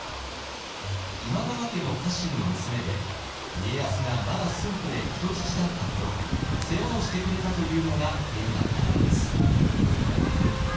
今川家の家臣の娘で家康がまだ駿府で人質だった頃世話をしてくれたというのが縁だったようです。